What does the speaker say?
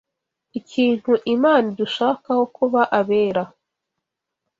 Ikintu Imana idushakaho kuba abera